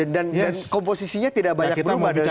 dan komposisinya tidak banyak berubah dari situ ya